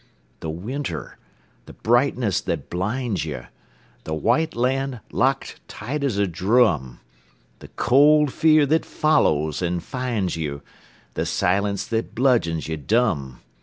The winter! the brightness that blinds you, The white land locked tight as a drum, The cold fear that follows and finds you, The silence that bludgeons you dumb.